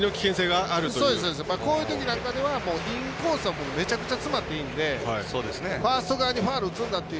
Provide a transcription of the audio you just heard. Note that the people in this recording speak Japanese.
こういうときなんかではインコースは、めちゃくちゃ詰まっていいんでファースト側にファウル打つんだという。